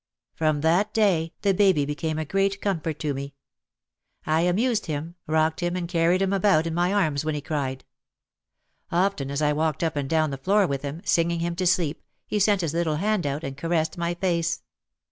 From that day the baby became a great comfort to me. I amused him, rocked him and carried him about in my arms when he cried. Often as I walked up and down the floor with him, singing him to sleep, he sent his little hand out, and caressed my face.